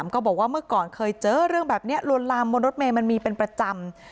ก็บอกว่าเมื่อก่อนเคยเจอเรื่องแบบนี้ลวนลามบนรถเมย์มันมีเป็นประจำ